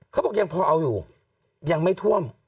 เขาบอกยังพอเอาอยู่ยังไม่ท่วม